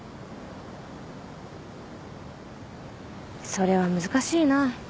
それは難しいな。